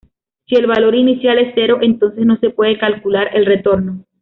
Si el valor inicial es cero, entonces no se puede calcular el retorno.